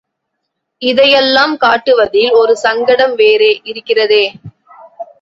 இதையெல்லாம் காட்டுவதில் ஒரு சங்கடம் வேறே இருக்கிறதே.